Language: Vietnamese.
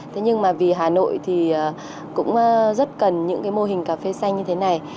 thế nhưng mà vì hà nội thì cũng rất cần những cái mô hình cà phê xanh như thế này